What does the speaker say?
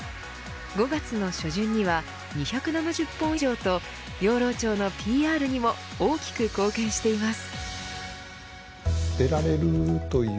５月の初旬には２７０本以上と養老町のＰＲにも大きく貢献しています。